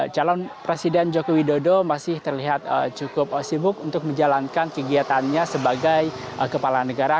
calon presiden joko widodo masih terlihat cukup sibuk untuk menjalankan kegiatannya sebagai kepala negara